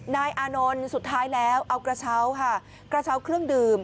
นายอานนท์สุดท้ายแล้วเอากระเช้าค่ะกระเช้าเครื่องดื่ม